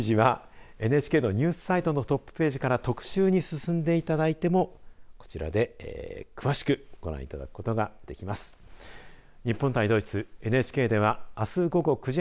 この記事はＮＨＫのニュースサイトのトップページから特集に進んでいただいてもこちらで詳しくご覧いただくことができます。